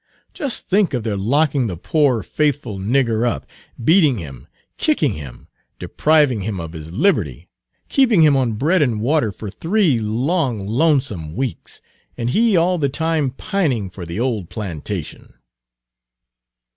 Just think of their locking the poor, faithful nigger up, beating him, kicking him, depriving him of his liberty, keeping him on bread and water for three long, lonesome weeks, and he all the time pining for the old plantation!"